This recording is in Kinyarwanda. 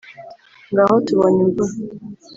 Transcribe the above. ngaha tubonye imvura.